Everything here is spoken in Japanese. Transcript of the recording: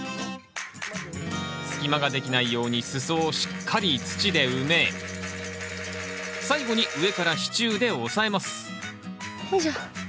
隙間ができないように裾をしっかり土で埋め最後に上から支柱で押さえますよいしょ。